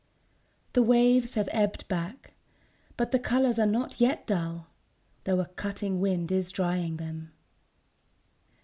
The waves have ebbed back ... but the colours are not yet dull, though a cutting wind is drying them.